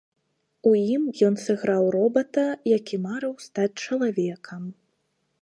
У ім ён сыграў робата, які марыў стаць чалавекам.